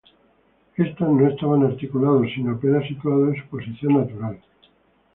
Estos no estaban articulados, sino apenas situados en su posición natural.